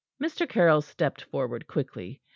Mr. Caryll stepped forward quickly.